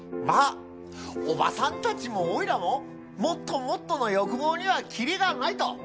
まあおばさんたちもおいらももっともっとの欲望にはキリがないと。